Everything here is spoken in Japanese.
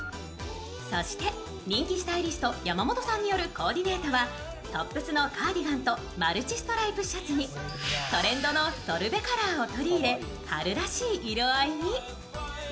そして人気スタイリスト山本さんによるコーディネートはトップスのカーディガンとマルチストライプシャツにトレンドのソルベカラーを取り入れ春らしい色合いに。